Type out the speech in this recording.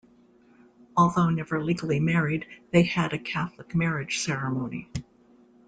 Although never legally married, they had a Catholic marriage ceremony.